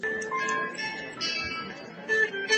کرکه زړونه توروي.